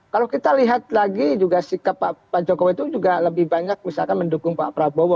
kalau kita lihat lagi juga sikap pak jokowi itu juga lebih banyak misalkan mendukung pak prabowo